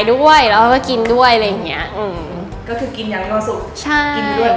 ก็คือกินอย่างนอนสุดกินด้วยกำลังกายด้วย